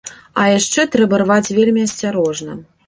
А яшчэ трэба рваць вельмі асцярожна.